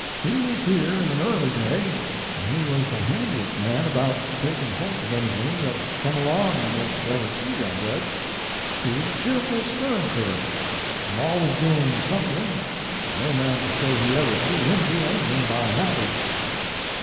He was here in an early day, and he was the handyest man about takin holt of anything that come along you most ever see, I judge. He was a cheerful, stirrin cretur, always doin something, and no man can say he ever see him do anything by halvers.